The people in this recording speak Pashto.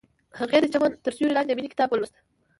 هغې د چمن تر سیوري لاندې د مینې کتاب ولوست.